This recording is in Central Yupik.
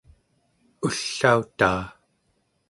ullautaa